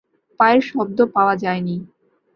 পায়ের শব্দ পাওয়া যায় নি।